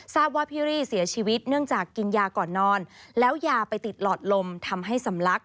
ทราบว่าพี่รี่เสียชีวิตเนื่องจากกินยาก่อนนอนแล้วยาไปติดหลอดลมทำให้สำลัก